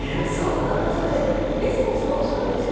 それでレスポンスが遅いんですよ。